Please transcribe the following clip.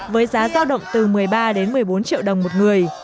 với giá giao động từ một mươi ba đến một mươi bốn triệu đồng một người